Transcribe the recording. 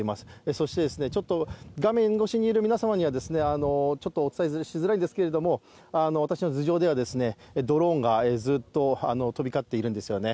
そしてちょっと画面越しにある皆様にはお伝えしづらいんですが私の頭上ではドローンがずっと飛び交っているんですよね。